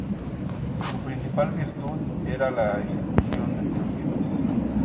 Su principal virtud era la ejecución de tiros libres.